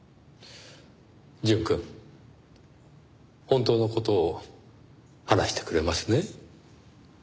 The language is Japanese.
淳くん本当の事を話してくれますね？